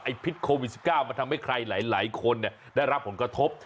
พิษโควิด๑๙มันทำให้ใครหลายคนได้รับผลกระทบ